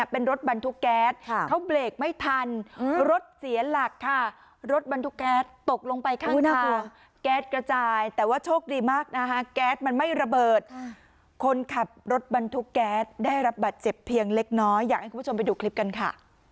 เล็กน้อยอยากให้คุณผู้ชมไปดูคลิปกันค่ะ